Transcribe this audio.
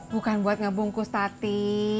bukan buat ngebungkus tati